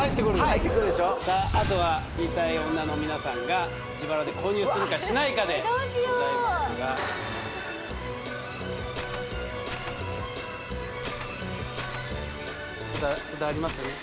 あとは言いたい女の皆さんが自腹で購入するかしないかでございますが札ありますね